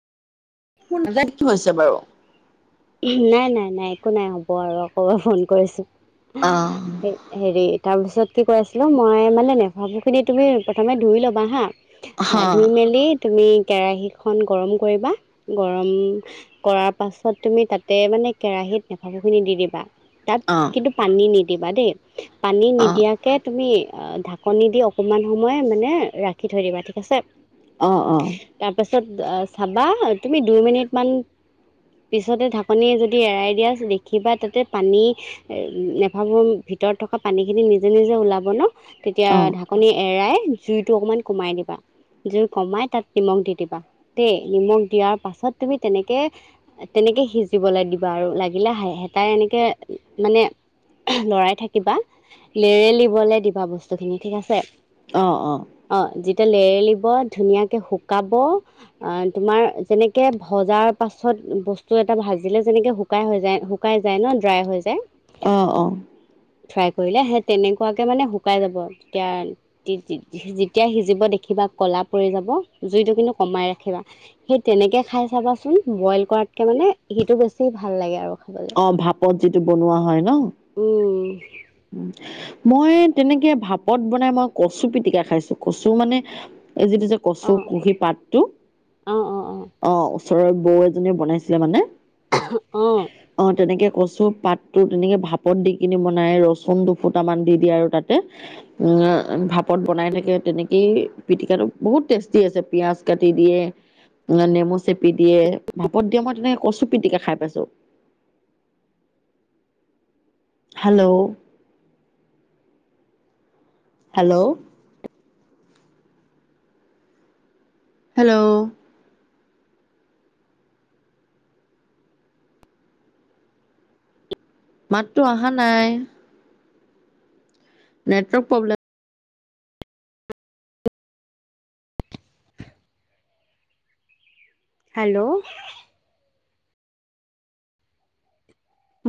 [inaudible] কি হৈছে বাৰু নাই নাই নাই একো নাই হ'ব আৰু আকৌ এবাৰ ফোন কৰিছোঁ। অঁ হেৰি তাৰপিছত কি কৈ আছিলোঁ মই মানে নেফাফু খিনি তুমি প্ৰথমে ধুই ল'বা হা আৰু হা, ধুই মেলি তুমি কেৰাহিখন গৰম কৰিবা গৰম কৰাৰ পাছত। তুমি তাতে মানে কেৰাহিত নেফাফু খিনি দি দিবা তাত অঁ কিন্তু পানী নিদিবা দেই পানী অ'। অ', নিদিয়া কে তুমি ঢাকনি দি অকমান সময় মানে ৰাখি থৈ দিবা ঠিক আছে। অ অ তাৰপাছত চাবা তুমি দুই মিনিটমান পিছতে ঢাকনি যদি এৰাই দিয়া দেখিবা তাতে পানী নেফাফু ভিতৰত থকা পানী খিনি নিজে নিজে ওলাব ন তেতিয়া অ', ঢাকণি এৰাই জুইটো অকমান কমাই দিবা। জুই কমাই তাত নিমখ দি দিবা দেই নিমখ দিয়াৰ পাছত তুমি তেনেকে তেনেকে সিজিবলৈ দিবা আৰু লাগিলে হ হেতাই এনেকে মানে লৰাই থাকিবা লেৰেলিবলে দিবা বস্তুখিনি ঠিক আছে অ অ অ যেতিয়া লেৰেলিব ধুনীয়াকে শুকাব। অ তোমাৰ যেনেকে ভজাৰ পাছত পাছত বস্তু এটা ভাজিলে যেনেকে শুকাই হৈ যায় শুকাই যায় ন ড্ৰাই হৈ যায় অ অ ফ্ৰাই কৰিলে সেই তেনেকুৱাকে মানে শুকাই যাব তেতিয়া যেতিয়া সিজিব দেখিবা কলা পৰি যাব জুইটো কিন্তু কমাই ৰাখিবা। সেই তেনেকে খাই চাবাচোন বইল কৰাতকে মানে সিটো বেছি ভাল লাগে আৰু খাবলৈ অ ভাপত যিটো বনোৱা হয় ন উম মই তেনেকে ভাপত বনাই মই কচু পিতিকা খাইছোঁ কচু মানে এই যিটো অ কচু কুহি পাতটো অ অ অ ওচৰৰ বৌ এজনীয়েও বনাইছিলে মানে অঁ অ তেনেকে কচু পাতটো তেনেকে ভাপত দি কিনে বনাই ৰ ৰছুন দু ফুটামান দি দিয়া আৰু তাতে উ আ ভাপত বনাই থাকে তেনেকেই পিটিকাটো বহুত টেষ্টি আছে পিয়াজ কাটি দিয়ে নে নেমু চেপি দিয়ে ভাপত দিয়ে মই তেনেকে কচু পিটিকে খাই পাইছোঁ হেল্লো হেল্লো হেল্লো মাততো আহা নাই নেটৱৰ্ক প্ৰবলেম হেল্লো